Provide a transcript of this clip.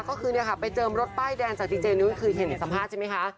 ก็คือไปเจิมรถป้ายแดงจากดีเจนุ้ยคือเห็นสัมภาษณ์ใช่ไหมคะ